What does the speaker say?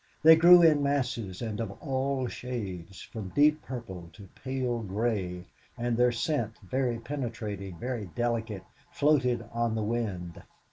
They grew in masses and of all shades, from deep purple to pale grey, and their scent, very penetrating, very delicate, floated on the wind.